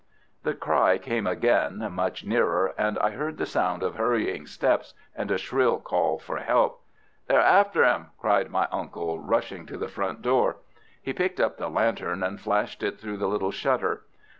The cry came again, much nearer, and I heard the sound of hurrying steps and a shrill call for help. "They are after 'im!" cried my uncle, rushing to the front door. He picked up the lantern and flashed it through the little shutter.